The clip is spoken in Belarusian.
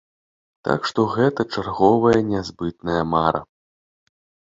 Так што гэта чарговая нязбытная мара.